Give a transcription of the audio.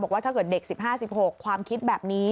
ถ้าเกิดเด็ก๑๕๑๖ความคิดแบบนี้